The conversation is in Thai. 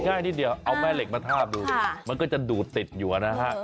ง่ายนิดเดียวเอาแม่เหล็กมาทาบดูมันก็จะดูดติดอยู่นะฮะ